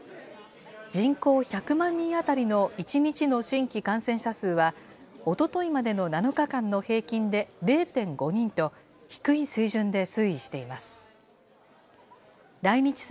人口１００万人当たりの１日の新規感染者数は、おとといまでの７日間の平均で０．５人と、低い水準で推移しています。